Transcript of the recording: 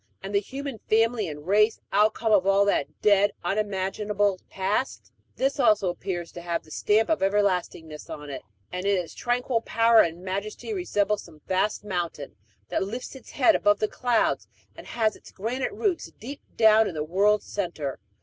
And the human family and race outcome of all that dead, unimaginable past this also appears to have the stamp of everlastingness on it; and in its tranquil power and majesty resembles some vast mountain that lifts its head above the clouds, and has its granite roots deep down in the world's center.